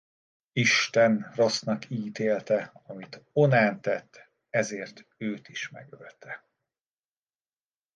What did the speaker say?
Isten rossznak ítélte amit Onán tett ezért őt is megölte.